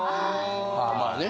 あまあね